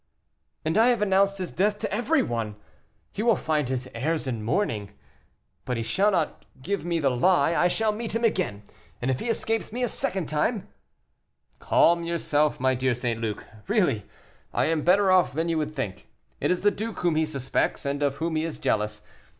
"And I have announced his death to everyone; he will find his heirs in mourning. But he shall not give me the lie; I shall meet him again, and if he escapes me a second time " "Calm yourself, my dear St. Luc; really, I am better off than you would think; it is the duke whom he suspects, and of whom he is jealous.